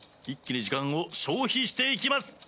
一気に時間を消費していきます。